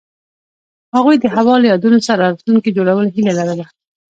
هغوی د هوا له یادونو سره راتلونکی جوړولو هیله لرله.